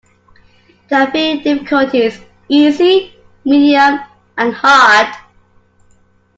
There are three difficulties - easy, medium, and hard.